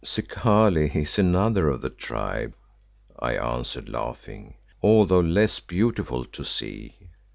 "Zikali is another of the tribe," I answered, laughing, "although less beautiful to see.